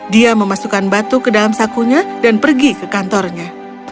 dia memasukkan batu ke dalam sakunya dan pergi ke kantornya